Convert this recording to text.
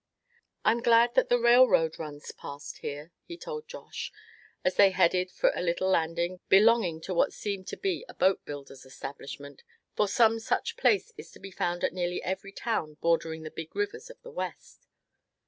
"I'm glad that the railroad runs past here," he told Josh, as they headed for a little landing belonging to what seemed to be a boat builder's establishment, for some such place is to be found at nearly every town bordering the big rivers of the West.